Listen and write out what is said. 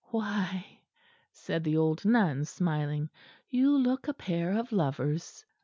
"Why," said the old nun, smiling, "you look a pair of lovers."